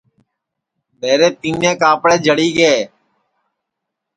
میرے تِینیں کاپڑے جݪی گے